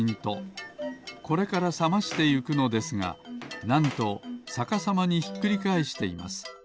これからさましていくのですがなんとさかさまにひっくりかえしています。